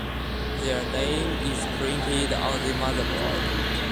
Their name is printed on the motherboard.